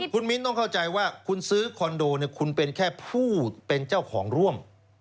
คุณมิ้นต้องเข้าใจว่าคุณซื้อคอนโดเนี่ยคุณเป็นแค่ผู้เป็นเจ้าของร่วม